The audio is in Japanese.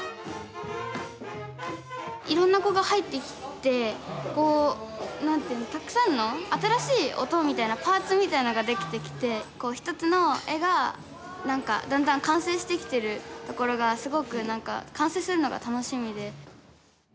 いろんな子が入ってきてこうたくさんの新しい音みたいなパーツみたいなのが出来てきてこう一つの絵がなんかだんだん完成してきてるところがすごくなんか完成するのが楽しみで。